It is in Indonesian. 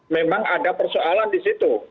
memang ada persoalan di situ